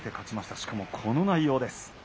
しかもこの内容です。